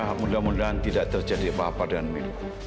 ya mudah mudahan tidak terjadi apa apa dengan milu